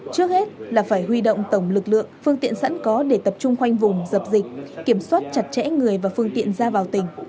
trước hết là phải huy động tổng lực lượng phương tiện sẵn có để tập trung khoanh vùng dập dịch kiểm soát chặt chẽ người và phương tiện ra vào tỉnh